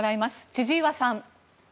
千々岩さん。